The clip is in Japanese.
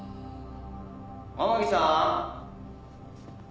天樹さん？